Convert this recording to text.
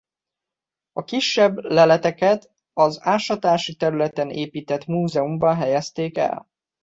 A kisebb leleteket az ásatási területen épített múzeumban helyezték el.